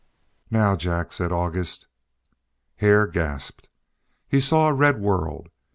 "Now, Jack," said August. Hare gasped. He saw a red world.